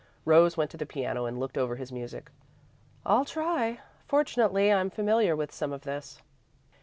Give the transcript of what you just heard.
Rose went to the piano and looked over his music. "I'll try. Fortunately I'm familiar with some of this."